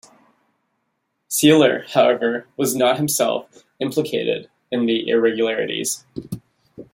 Seeler, however, was not himself implicated in the irregularities.